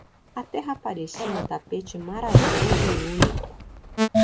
A terra parecia um tapete maravilhoso e único.